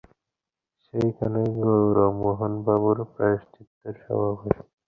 সেইখানে গৌরমোহনবাবুর প্রায়শ্চিত্তের সভা বসবে।